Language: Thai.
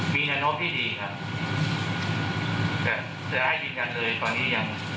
มีแนวโน้ทที่ดีครับแต่ถ้าเกดร้ายยังยินยันเลย